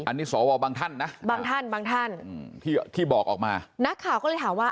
อันนี้สวบว่าบางท่านนะที่บอกออกมานักข่าวก็เลยถามว่า